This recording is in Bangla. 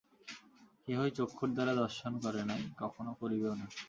কেহই চক্ষুর দ্বারা ঈশ্বর দর্শন করে নাই, কখনও করিবেও না।